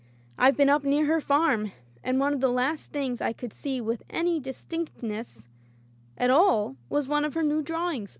I've been up near her farm, and one of the last things I could see with any distinct ness at all was one of her new drawings.